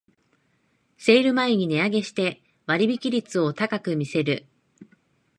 セール前に値上げして割引率を高く見せる